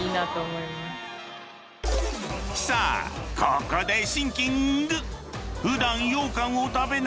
ここでシンキング。